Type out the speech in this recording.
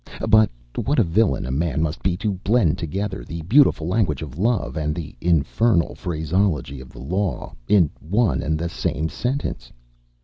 But what a villain a man must be to blend together the beautiful language of love and the infernal phraseology of the law in one and the same sentence!